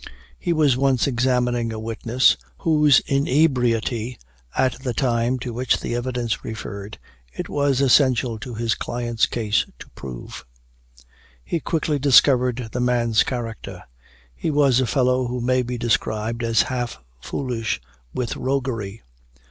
He was once examining a witness, whose inebriety, at the time to which the evidence referred, it was essential to his client's case to prove. He quickly discovered the man's character. He was a fellow who may be described as "half foolish with roguery."